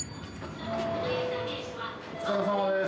お疲れさまです。